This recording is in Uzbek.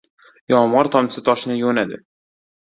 • Yomg‘ir tomchisi toshni yo‘nadi.